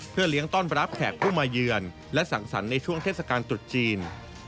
เพื่อเลี้ยงต้อนรับแขกผู้มาเยือนและสังสรรค์ในช่วงเทศกาลตรุษจีน